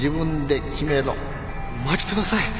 お待ちください。